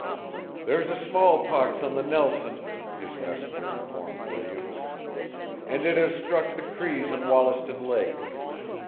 "There's smallpox on the Nelson," his messenger informed Williams, "and it has struck the Crees on Wollaston Lake.